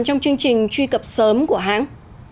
trong chương trình truy cập sớm của hãng